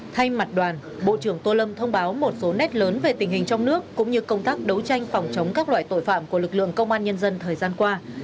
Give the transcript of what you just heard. thay mặt đoàn bộ trưởng tô lâm thông báo một số nét lớn về tình hình trong nước cũng như công tác đấu tranh phòng chống các loại tội phạm của lực lượng công an nhân dân thời gian qua